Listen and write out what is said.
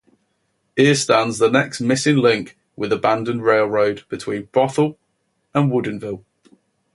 Here stands the next missing link with abandoned railroad between Bothell and Woodinville.